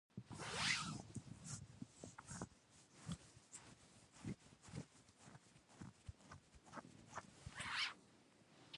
له خاورې راغلي یو، خاورې ته به ګرځو.